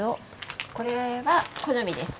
これは好みです。